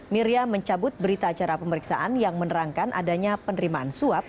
miriam mencabut berita acara pemeriksaan yang menerangkan adanya penerimaan suap